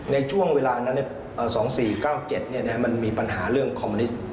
ในช่วงเวลานั้น๒๔๙๗มันมีปัญหาเรื่องคอมมิสต์